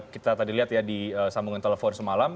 kita tadi lihat ya di sambungan telepon semalam